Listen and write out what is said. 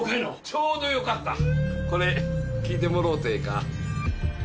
ちょうどよかったこれ聞いてもろうてええか？